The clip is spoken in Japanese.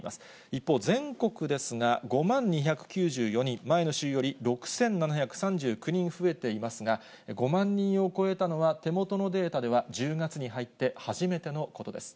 一方、全国ですが、５万２９４人、前の週より６７３９人増えていますが、５万人を超えたのは、手元のデータでは１０月に入って初めてのことです。